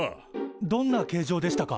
どんな形状でしたか？